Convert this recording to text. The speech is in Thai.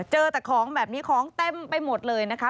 เจอแต่ของแบบนี้ของเต็มไปหมดเลยนะคะ